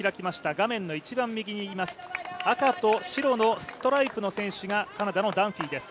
画面の一番右にいます、赤と白のストライプの選手がカナダのダンフィーです。